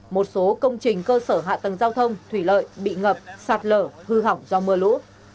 một số công trình cơ sở hạ tầng giao thông thủy lợi bị ngập sạt lở hư hỏng do mưa lũ